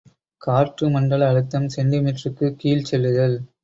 காற்று மண்டல அழுத்தம் செ.மீக்குக் கீழ்ச் செல்லுதல்.